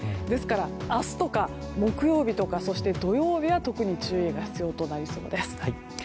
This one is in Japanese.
ですから、明日とか木曜日とかそして土曜日が特に注意が必要となりそうです。